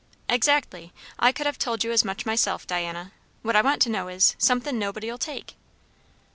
"Exactly. I could have told you as much myself, Diana. What I want to know is, somethin' nobody'll take."